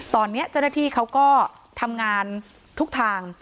ตอนนี้เจ้าหน้าที่เขาก็ทำงานทุกทาง